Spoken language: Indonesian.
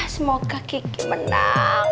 semoga kiki menang